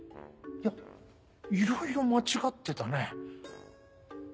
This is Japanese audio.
いやいろいろ間違ってたね。